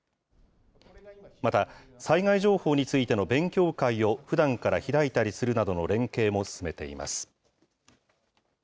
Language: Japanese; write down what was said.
また災害情報についての勉強会を、ふだんから開いたりするなどの連携も進めています。